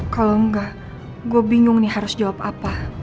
kalau enggak gue bingung nih harus jawab apa